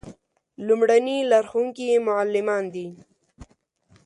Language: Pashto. لومړني لارښوونکي یې معلمان دي.